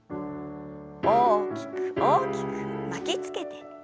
大きく大きく巻きつけて。